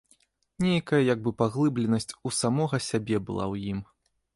Нейкая як бы паглыбленасць у самога сябе была ў ім.